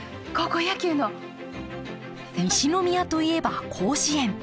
西宮といえば甲子園。